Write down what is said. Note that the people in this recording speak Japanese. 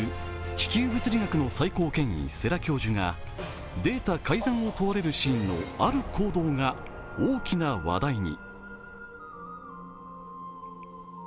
地球物理学の最高権威、世良教授がデータ改ざんを問われるシーンのある行動が大きな話題に。